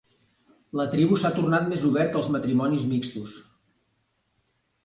La tribu s'ha tornat més obert als matrimonis mixtos.